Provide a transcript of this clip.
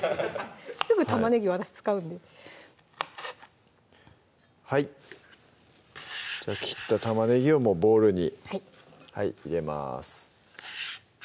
すぐ玉ねぎを私使うんではいじゃあ切った玉ねぎをボウルに入れます